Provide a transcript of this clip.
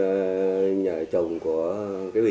về bên nhà chồng của quý vị